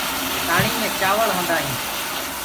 سآݪينٚ مي چآوݪ ہوندآ هينٚ۔